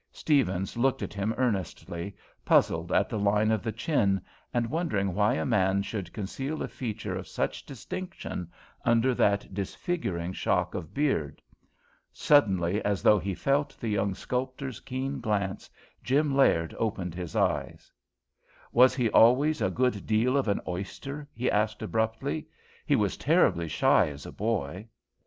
Steavens looked at him earnestly, puzzled at the line of the chin, and wondering why a man should conceal a feature of such distinction under that disfiguring shock of beard. Suddenly, as though he felt the young sculptor's keen glance, Jim Laird opened his eyes. "Was he always a good deal of an oyster?" he asked abruptly. "He was terribly shy as a boy."